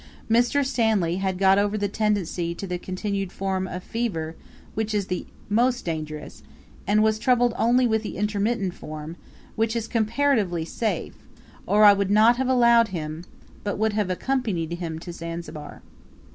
Mr. Stanley had got over the tendency to the continued form of fever which is the most dangerous, and was troubled only with the intermittent form, which is comparatively safe, or I would not have allowed him, but would have accompanied him to Zanzibar.